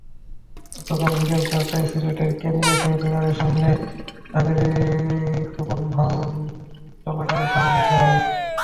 গতকাল বিকেল চারটায় সিলেটের কেন্দ্রীয় শহীদ মিনারের সামনে নাগরিকবন্ধন চলাকালে সমাবেশও হয়।